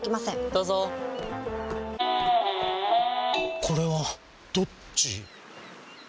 どうぞこれはどっち？